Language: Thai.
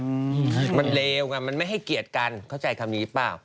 แต่มันไม่ให้เกลียดกัน